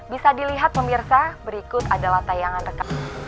bisa dilihat pemirsa berikut adalah tayangan rekam